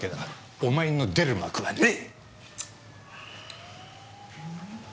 お前の出る幕はねえ！